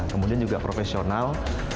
kemudian juga profesional